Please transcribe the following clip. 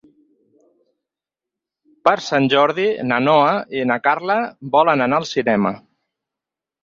Per Sant Jordi na Noa i na Carla volen anar al cinema.